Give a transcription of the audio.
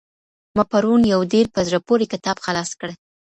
ما پرون يو ډېر په زړه پوري کتاب خلاص کړ.